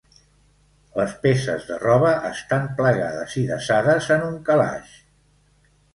Les peces de roba estan plegades i desades en un calaix.